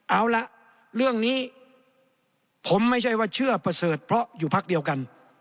เอาล่ะเรื่องนี้ผมไม่ใช่ว่าเชื่อประเสริฐเพราะอยู่พักเดียวกัน